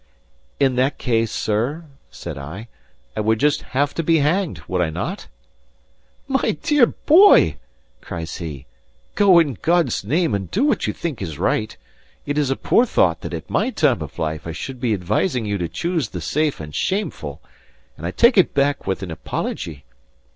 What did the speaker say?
"In that case, sir," said I, "I would just have to be hanged would I not?" "My dear boy," cries he, "go in God's name, and do what you think is right. It is a poor thought that at my time of life I should be advising you to choose the safe and shameful; and I take it back with an apology.